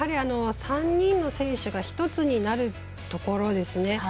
３人の選手が１つになるところですね。